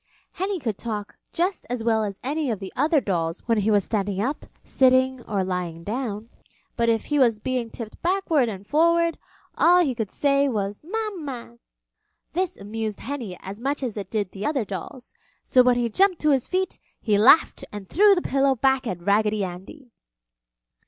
Henny could talk just as well as any of the other dolls when he was standing up, sitting, or lying down, but if he was being tipped forward and backward, all he could say was, "Mama." This amused Henny as much as it did the other dolls, so when he jumped to his feet he laughed and threw the pillow back at Raggedy Andy.